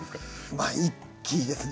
まあ一気にですね。